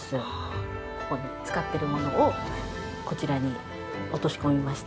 ここに使ってるものをこちらに落とし込みました。